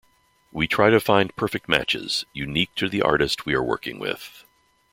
We try to find perfect matches unique to the artist we are working with.